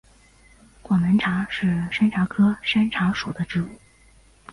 广南茶是山茶科山茶属的植物。